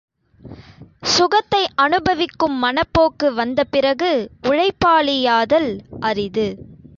சுகத்தை அனுபவிக்கும் மனப்போக்கு வந்த பிறகு உழைப்பாளியாதல் அரிது.